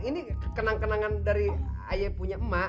ini kenang kenangan dari ayah punya emak